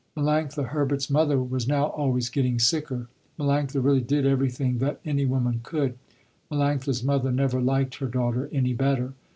Melanctha Herbert's mother was now always getting sicker. Melanctha really did everything that any woman could. Melanctha's mother never liked her daughter any better.